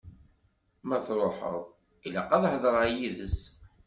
Ma truḥeḍ, ilaq ad thedreḍ yid-s.